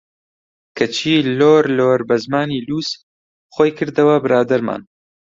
کەچی لۆر لۆر بە زمانی لووس، خۆی کردەوە برادەرمان!